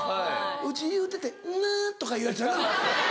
「うち言うててな」とかいうやつやな。